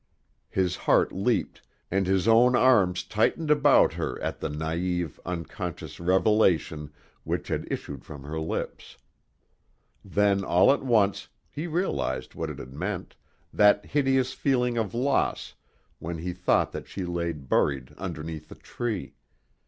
His heart leaped, and his own arms tightened about her at the naïve, unconscious revelation which had issued from her lips. Then all at once he realized what it had meant, that hideous feeling of loss when he thought that she lay buried beneath the tree.